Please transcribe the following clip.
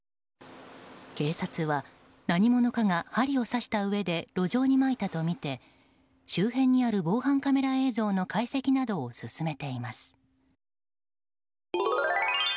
警察は何者かが針を刺したうえで路上にまいたとみて周辺にある防犯カメラ映像の解析などを進めています。